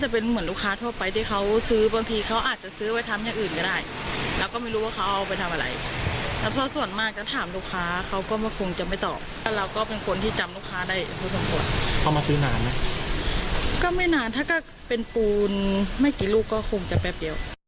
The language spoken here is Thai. เป็นปูนไม่กี่ลูกก็คงจะแป๊บเดียว